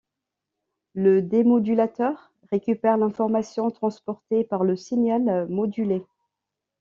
Le démodulateur récupère l'information transportée par le signal modulé.